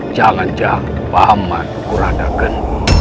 semoga sering tidak men fehler berakhir